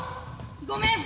ごめん！